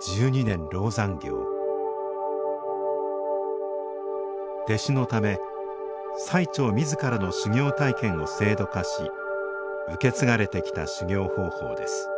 十二年籠山行弟子のため最澄自らの修行体験を制度化し受け継がれてきた修行方法です